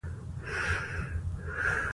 تاریخ د افغان ماشومانو د زده کړې موضوع ده.